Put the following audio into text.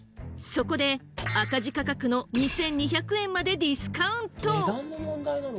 そこで赤字価格の２，２００円までディスカウント！